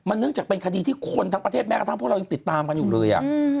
เนื่องจากเป็นคดีที่คนทั้งประเทศแม้กระทั่งพวกเรายังติดตามกันอยู่เลย